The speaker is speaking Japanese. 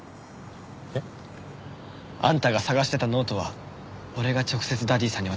えっ？あんたが捜してたノートは俺が直接ダディさんに渡す。